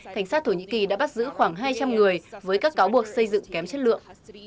cảnh sát thổ nhĩ kỳ đã bắt giữ khoảng hai trăm linh người với các cáo buộc xây dựng kém chất lượng